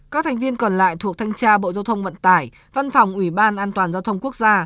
các thành viên còn lại thuộc thanh tra bộ giao thông vận tải văn phòng ủy ban an toàn giao thông quốc gia